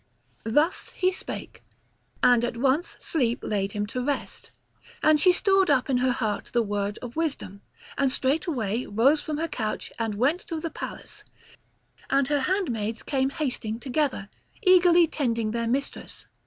Thus he spake, and at once sleep laid him to rest. And she stored up in her heart the word of wisdom, and straightway rose from her couch and went through the palace; and her handmaids came hasting together, eagerly tending their mistress.